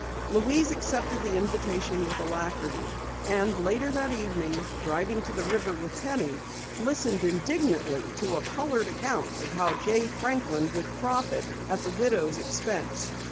Louise accepted the invitation with alacrity, and later that evening, driving to the river with Penny, listened indignantly to a colored account of how Jay Franklin would profit at the widow's expense.